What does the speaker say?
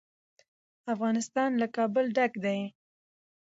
افغانستان له کابل ډک دی.